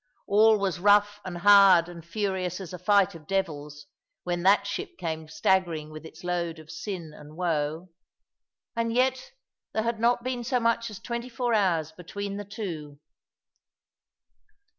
All was rough and hard and furious as a fight of devils, when that ship came staggering with its load of sin and woe. And yet there had not been so much as twenty four hours between the two.